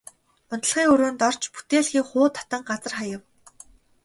Унтлагын өрөөндөө орж бүтээлгийг хуу татан газар хаяв.